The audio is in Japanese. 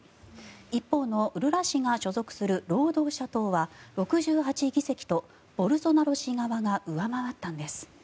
一方のルラ氏が所属する労働者党は６８議席とボルソナロ氏側が上回ったんです。